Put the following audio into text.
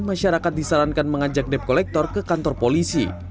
masyarakat disarankan mengajak dep kolektor ke kantor polisi